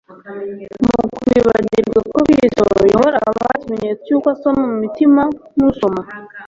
Mu kwibagirwa ko Kristo yahoraga abaha ikimenyetso cy'uko asoma mu mutima nk'usoma